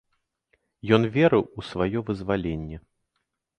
Ён верыў у сваё вызваленне.